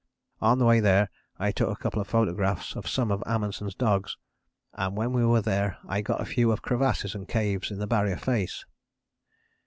"On the way there I took a couple of photographs of some of Amundsen's dogs, and when we were there I got a few of crevasses and caves in the Barrier face.